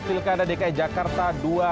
pilkada dki jakarta dua ribu tujuh belas